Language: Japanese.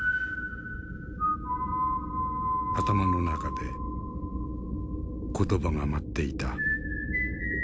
頭の中で言葉が舞っていた。